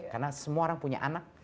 karena semua orang punya anak